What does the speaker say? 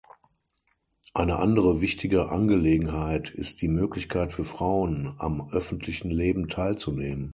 Eine andere wichtige Angelegenheit ist die Möglichkeit für Frauen, am öffentlichen Leben teilzunehmen.